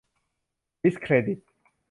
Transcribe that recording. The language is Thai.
ดิสเครดิต